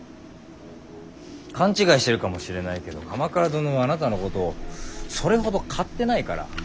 勘違いしてるかもしれないけど鎌倉殿はあなたのことそれほど買ってないから。